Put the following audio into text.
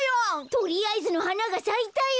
とりあえずのはながさいたよ！